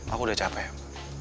aku udah capek